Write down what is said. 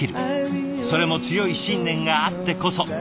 それも強い信念があってこそ。